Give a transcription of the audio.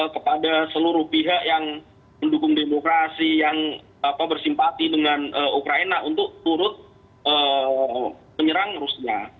kepada seluruh pihak yang mendukung demokrasi yang bersimpati dengan ukraina untuk turut menyerang rusia